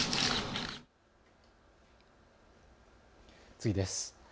次です。